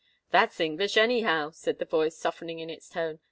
"That's English, any how," said the voice, softening in its tone.